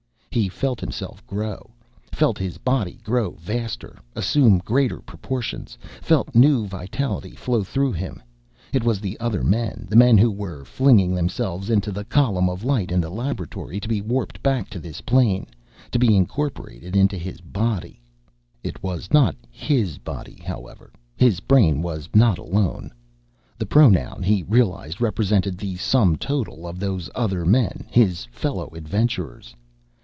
He felt himself grow, felt his body grow vaster, assume greater proportions, felt new vitality flow through him. It was the other men, the men who were flinging themselves into the column of light in the laboratory to be warped back to this plane, to be incorporated in his body. It was not his body, however. His brain was not his alone. The pronoun, he realized, represented the sum total of those other men, his fellow adventurers.